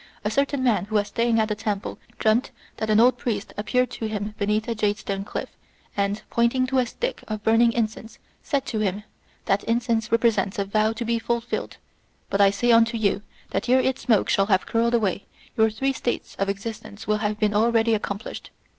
20 A certain man, who was staying at a temple, dreamt that an old priest appeared to him beneath a jade stone cliff, and, pointing to a stick of burning incense, said to him, "That incense represents a vow to be fulfilled ; but I say unto you, that ere its smoke shall have curled away, your three states of existence will have been already accomplished."